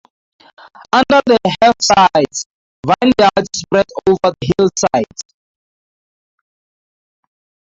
Under the Hafsides, vineyards spread over the hillsides.